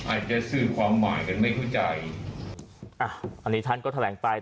อาจจะสื่อความหมายหรือไม่เข้าใจอ่ะอันนี้ท่านก็แถลงไป